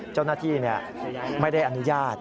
เจ้าหน้าที่ไม่ได้อนุญาต